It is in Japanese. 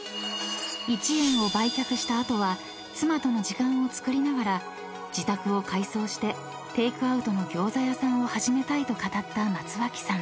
［一圓を売却した後は妻との時間をつくりながら自宅を改装してテークアウトの餃子屋さんを始めたいと語った松脇さん］